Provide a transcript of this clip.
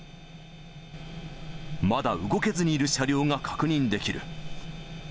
まだ動けずにいる車両が確認できる。